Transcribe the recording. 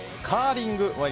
カーリング